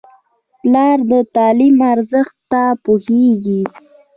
پلار د تعلیم ارزښت ته پوهېږي.